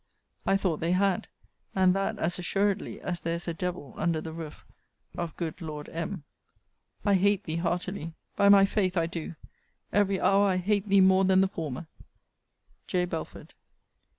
I thought they had; and that as assuredly as there is a devil under the roof of good Lord M. I hate thee heartily! by my faith I do! every hour I hate thee more than the former! J. BELFORD.